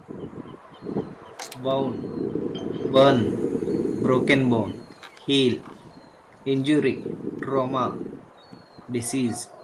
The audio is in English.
The design looks something like an upturned umbrella.